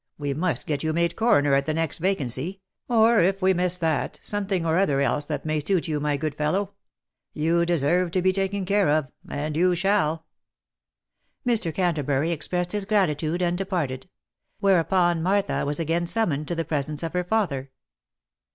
we must get you made coroner at the next vacancy — or if we miss that, something or other else that may suit you, my good fellow. You deserve to be taken care of, and you shall." Mr. Cantabury expressed his gratitude and departed ; whereupon Martha was again summoned to the presence of her father.